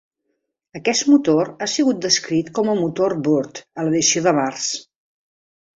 Aquest motor ha sigut descrit com el motor "Burt" a l'edició de març.